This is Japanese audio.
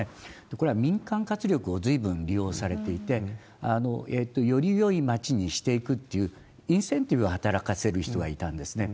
これは民間活力をずいぶん利用されていて、よりよい街にしていくっていうインセンティブを働かせる人がいたんですね。